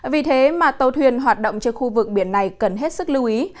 vì thế mà tàu thuyền hoạt động trên khu vực biển này cần hết sức lưu ý